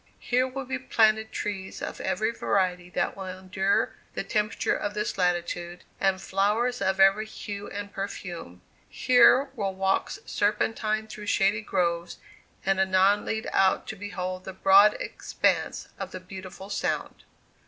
Here will be planted trees of every variety that will endure the temperature of this latitude, and flowers of every hue and perfume; here will walks serpentine through shady groves, and anon lead out to behold the broad expanse of the beautiful Sound.